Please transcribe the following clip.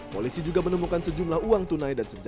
polisi juga menemukan sejumlah uang tunai dan sebagainya